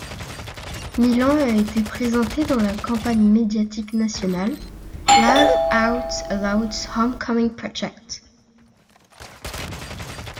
Milan a été présenté dans la campagne médiatique nationale, Live Out Loud's Homecoming Project.